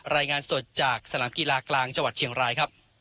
รายงานสดจากสนามกีฬากลางจังหวัดเชียงรายครับ